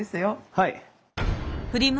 はい。